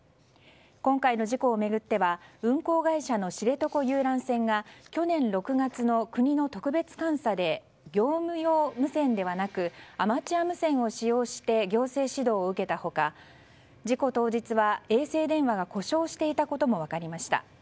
今回の事故を巡っては運航会社の知床遊覧船が去年６月の国の特別監査で業務用無線ではなくアマチュア無線を使用して行政指導を受けた他事故当日は衛星電話が故障していたことも分かりました。